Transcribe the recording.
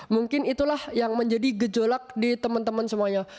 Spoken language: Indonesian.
mungkin itulah yang menjadi gejolak di teman teman semuanya